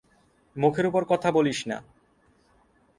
মুখের উপর কথা বলিস না।